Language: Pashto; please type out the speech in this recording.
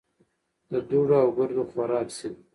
د دوړو او ګردو خوراک شي .